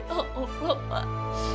ya allah pak